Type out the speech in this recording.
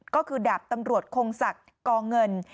ก็คือดาบตำรวจคงศักดิ์กองเงิน